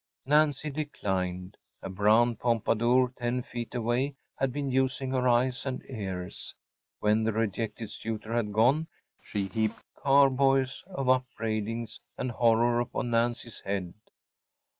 Nancy declined. A brown pompadour ten feet away had been using her eyes and ears. When the rejected suitor had gone she heaped carboys of upbraidings and horror upon Nancy’s head.